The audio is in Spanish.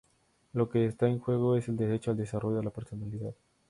Lo que está en juego es el derecho al desarrollo de la personalidad